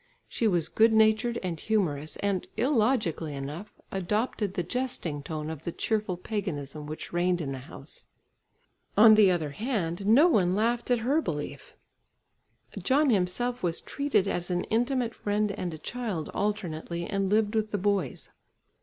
She was good natured and humorous, and, illogically enough, adopted the jesting tone of the cheerful paganism which reigned in the house. On the other hand, no one laughed at her belief. John himself was treated as an intimate friend and a child alternately and lived with the boys.